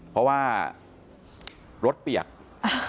เพราะว่ารถเปียกอ่า